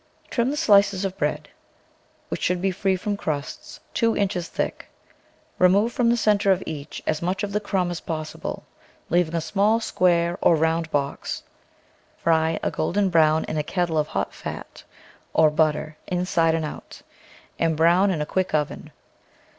Trim the slices of bread, which should be free from crusts, two inches thick. Remove from the centre of each as much of the crumb as possible, leaving a small square or round box ; fry a golden brown in a ket tle of hot fat, or butter inside and out, and brown in a quick oven.